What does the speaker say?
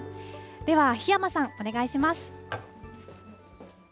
では檜山さん、お願いします。